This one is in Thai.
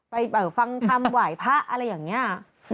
ไปฟังธรรมไหวพระอะไรอย่างนี้